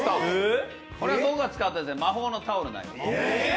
これが僕が使うと魔法のタオルになります。